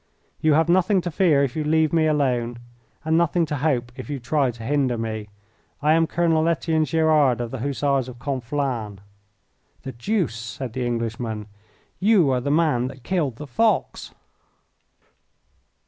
You have nothing to fear if you leave me alone, and nothing to hope if you try to hinder me. I am Colonel Etienne Gerard, of the Hussars of Conflans." "The deuce!" said the Englishman. "You are the man that killed the fox."